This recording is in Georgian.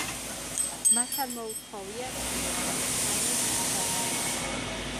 მას არ მოუთხოვია წნევა, რაიმე ძალის დატანება.